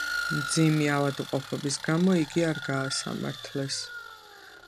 მძიმე ავადმყოფობის გამო იგი არ გაასამართლეს.